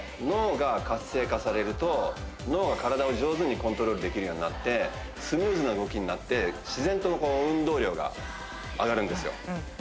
脳が活性化されると脳が体を上手にコントロールできるようになってスムーズな動きになって自然とこう運動量が上がるんですよ